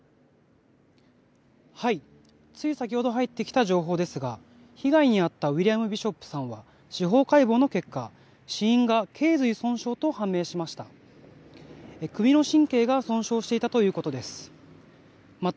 つい先ほど入ってきた情報ですが被害に遭ったウィリアム・ビショップさんは司法解剖の結果死因が頸髄損傷と判明しました。